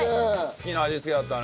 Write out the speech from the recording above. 好きな味付けだったね。